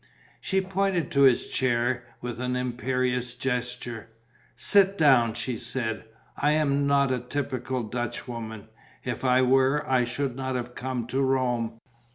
She pointed to his chair, with an imperious gesture: "Sit down," she said. "I am not a typical Dutchwoman. If I were, I should not have come to Rome.